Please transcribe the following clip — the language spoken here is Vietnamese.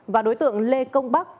và đối tượng lê công bắc